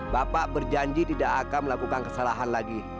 bapak berjanji tidak akan melakukan kesalahan lagi